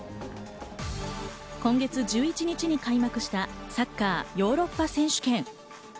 今月１１日に開幕したサッカーヨーロッパ選手権。